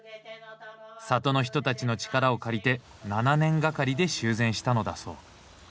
里の人たちの力を借りて７年がかりで修繕したのだそう。